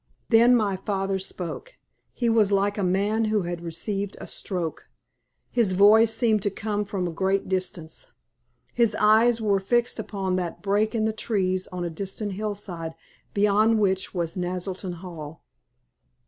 Then my father spoke. He was like a man who had received a stroke. His voice seemed to come from a great distance. His eyes were fixed upon that break in the trees on the distant hillside beyond which was Naselton Hall.